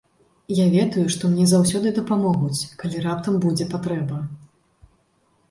Я ведаю, што мне заўсёды дапамогуць, калі раптам будзе патрэба.